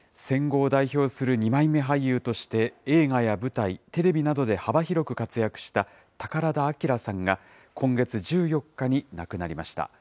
戦後を代表する二枚目俳優として、映画や舞台、テレビなどで幅広く活躍した宝田明さんが、今月１４日に亡くなりました。